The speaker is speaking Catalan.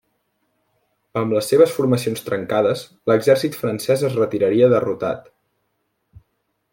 Amb les seves formacions trencades l'exèrcit francès es retiraria derrotat.